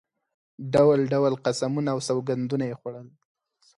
ډول ډول قسمونه او سوګندونه یې خوړل.